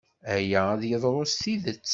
Aya ad yeḍru s tidet?